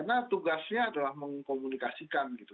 karena tugasnya adalah mengkomunikasikan gitu